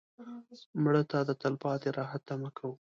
مړه ته د تلپاتې راحت تمه کوو